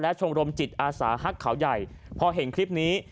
ชมรมจิตอาสาฮักเขาใหญ่พอเห็นคลิปนี้